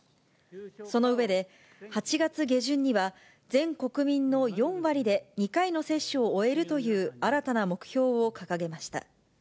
その上で、８月下旬には、全国民の４割で２回の接種を終えるという新たな目標を掲げました。